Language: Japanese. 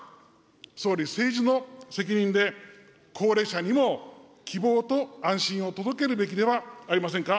総理、政治の責任で、高齢者にも希望と安心を届けるべきではありませんか。